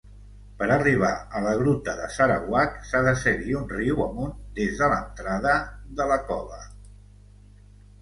Per arribar a la gruta de Sarawak, s'ha de seguir un riu amunt des de l'entrada de la cova.